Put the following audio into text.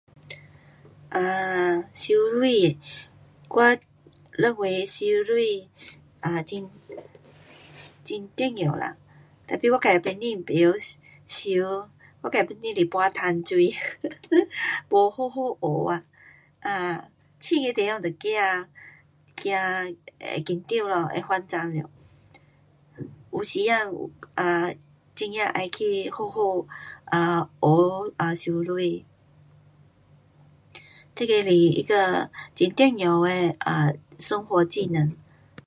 呃，游泳，我认为游泳啊，很，很重要啦。tapi我自本身不会游。我自本身是半桶水， 没好好学啊，啊，深的地方就怕，怕会紧张咯，慌张了。有时间，啊，真的要去好好，啊，学游泳。这个是一个好重要的生活技能。